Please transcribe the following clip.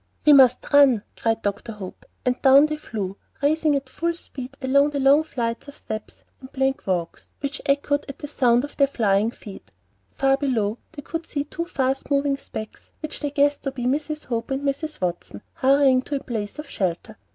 "We must run," cried Dr. Hope, and down they flew, racing at full speed along the long flights of steps and the plank walks, which echoed to the sound of their flying feet. Far below they could see two fast moving specks which they guessed to be Mrs. Hope and Mrs. Watson, hurrying to a place of shelter.